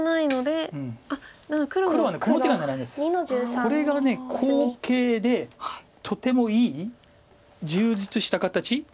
これが好形でとてもいい充実した形。